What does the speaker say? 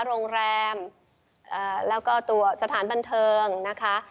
โรงแรมแล้วก็ตัวสถานบันเทิงนะคะ